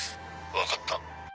分かった。